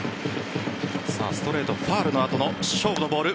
ストレート、ファウルの後の勝負のボール